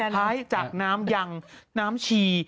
ใช้จากน้ำยังน้ำชี